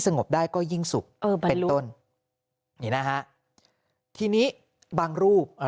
งบได้ก็ยิ่งสุขเป็นต้นนี่นะฮะทีนี้บางรูป